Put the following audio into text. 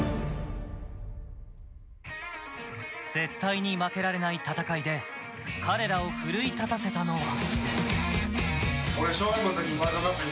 絶対に負けられない戦いで彼らを奮い立たせたのは。